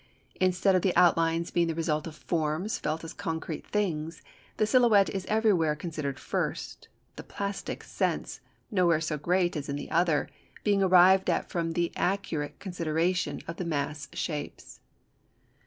Instead of the outlines being the result of forms felt as concrete things, the silhouette is everywhere considered first, the plastic sense (nowhere so great as in the other) being arrived at from the accurate consideration of the mass shapes.